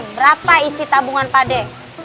berapa isi tabungan pade